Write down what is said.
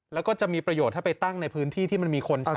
แล้วก็จะมีประโยชน์ให้ไปตั้งในพื้นที่ที่มันมีคนใช้